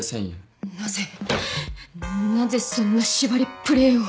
なぜなぜそんな縛りプレーを。